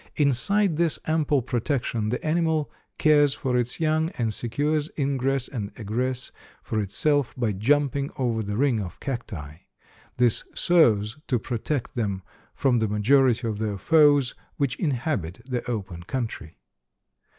Inside this ample protection the animal cares for its young and secures ingress and egress for itself by jumping over the ring of cacti. This serves to protect them from the majority of their foes, which inhabit the open country.